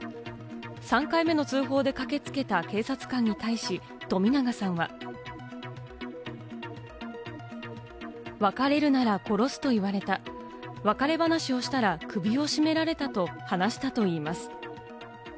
３回目の通報で駆けつけた警察官に対し、冨永さんは。別れるなら殺すと言われた、別れ話をしたら首を絞められたと話したといいます。